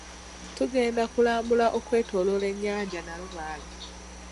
Tugenda kulambula okwetoloola ennyanja Nalubaale.